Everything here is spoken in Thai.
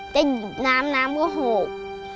แต่หยิบน้ำน้ำก็ห่วง